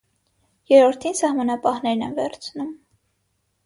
Երրորդին սահմանապահներն են վերցնում։